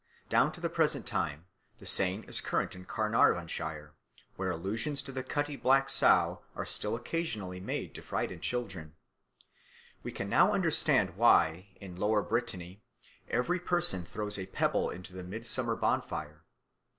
Down to the present time the saying is current in Carnarvonshire, where allusions to the cutty black sow are still occasionally made to frighten children. We can now understand why in Lower Brittany every person throws a pebble into the midsummer bonfire.